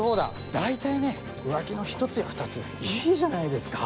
大体ね浮気の１つや２ついいじゃないですか。